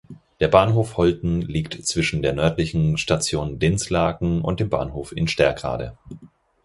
Der Bahnhof Holten liegt zwischen der nördlichen Station Dinslaken und dem Bahnhof in Sterkrade.